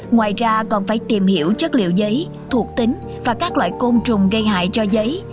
ngoài ra còn phải tìm hiểu chất liệu giấy thuộc tính và các loại côn trùng gây hại cho giấy